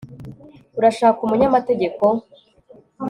urashaka umunyamategeko